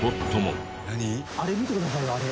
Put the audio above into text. あれ見てくださいよあれ。